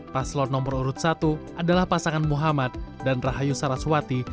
paslon nomor urut satu adalah pasangan muhammad dan rahayu saraswati